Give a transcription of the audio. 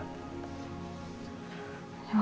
tapi sudah dipindahkan di ruang rawat